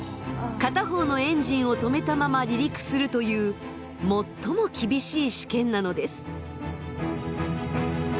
片方のエンジンを止めたまま離陸するという最も厳しい試験なのです。